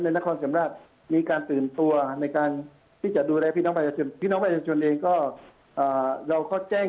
ในนโครงชมราชมีเมื่อการตื่นตัวในการที่จะดูแลพี่น้องเพชรชน